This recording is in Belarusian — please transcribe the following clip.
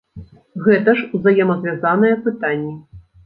Гэта ж узаемазвязаныя пытанні.